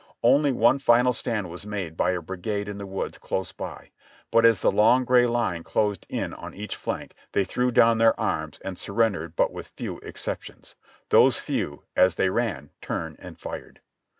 Only one final stand was made by a brigade in the woods close by; but as the long gray line closed in on each flank they threw down their arms and surrendered with but few exceptions ; those few, as they ran, turned and fired.